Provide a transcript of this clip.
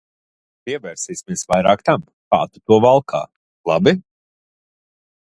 Pievērsīsimies vairāk tam, kā tu to valkā, labi?